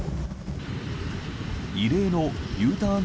異例のＵターン